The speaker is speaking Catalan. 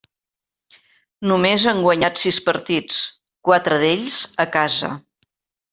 Només han guanyat sis partits, quatre d'ells a casa.